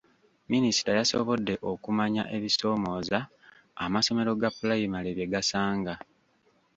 Minisita yasobodde okumanya ebisoomooza amasomero ga pulayimale bye gasanga.